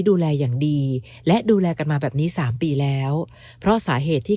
ดูแลอย่างดีและดูแลกันมาแบบนี้สามปีแล้วเพราะสาเหตุที่